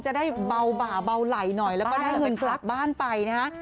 จะได้เบาบ่าเบาไหลหน่อยแล้วก็ได้เงินกลับบ้านไปนะฮะ